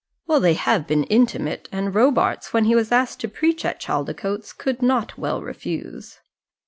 "Well, they have been intimate; and Robarts, when he was asked to preach at Chaldicotes, could not well refuse."